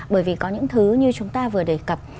bởi vì có những thứ như chúng ta vừa đề cập